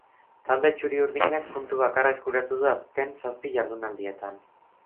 Talde txuri-urdinak puntu bakarra eskuratu du azken zazpi jardunaldietan.